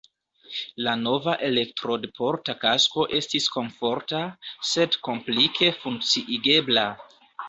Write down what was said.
La nova elektrodporta kasko estis komforta, sed komplike funkciigebla.